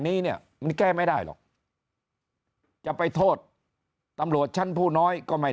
นี้เนี่ยมันแก้ไม่ได้หรอกจะไปโทษตำรวจชั้นผู้น้อยก็ไม่